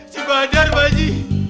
si badar baji